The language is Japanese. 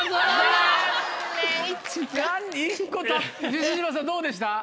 西島さんどうでした？